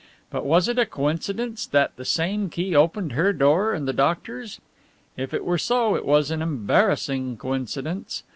But was it a coincidence that the same key opened her door and the doctor's? If it were so, it was an embarrassing coincidence.